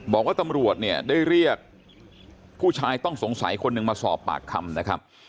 บอกว่าตำรวจเนี่ยได้เรียกผู้ชายต้องสงสัยคนหนึ่งมาสอบปากคำนะครับ